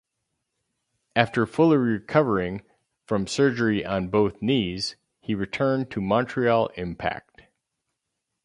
After fully recovering from surgery on both knees, he returned to Montreal Impact.